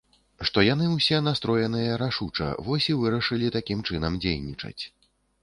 Што яны ўсе настроеныя рашуча, вось і вырашылі такім чынам дзейнічаць.